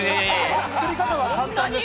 作り方は簡単です。